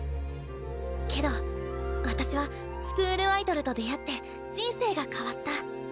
けど私はスクールアイドルと出会って人生が変わった。